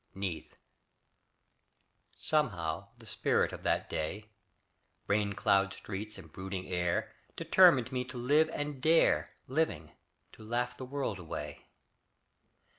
NEITH Somehow the spirit of that day Rain clouded streets and brooding air Determined me to live and dare, Living, to laugh the world away.